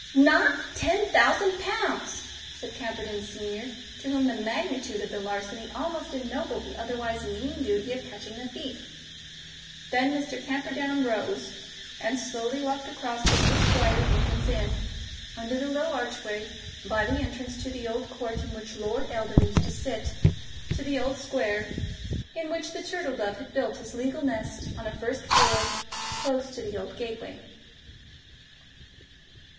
"Not ten thousand pounds!" said Camperdown Senior, to whom the magnitude of the larceny almost ennobled the otherwise mean duty of catching the thief. Then Mr. Camperdown rose, and slowly walked across the New Square, Lincoln's Inn, under the low archway, by the entrance to the old court in which Lord Eldon used to sit, to the Old Square, in which the Turtle Dove had built his legal nest on a first floor, close to the old gateway.